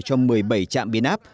trong một mươi bảy trạm biến áp